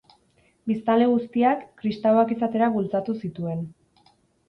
Biztanle guztiak, kristauak izatera bultzatu zituen.